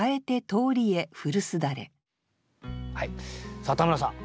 さあ田村さん